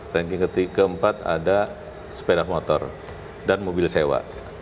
ranking keempat ada sepeda motor dan mobil sewa